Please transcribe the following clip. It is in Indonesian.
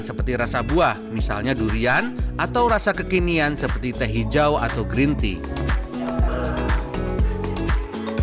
seperti rasa buah misalnya durian atau rasa kekinian seperti teh hijau atau green tea